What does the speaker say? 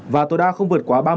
và tối đa không vượt quá ba mươi